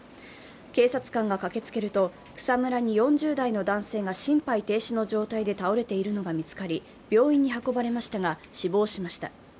警察官が駆けつけると草むらに４０代の男性が心肺停止の状態で倒れているのが見つかり、病院に運ばれましたが死亡しました。